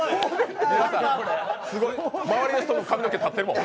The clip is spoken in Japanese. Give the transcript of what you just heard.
周りの人も髪の毛、立ってるもん。